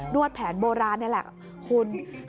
นวดแผนโบราณนี่แหละ